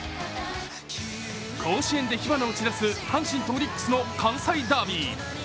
甲子園で火花を散らす阪神とオリックスの関西ダービー。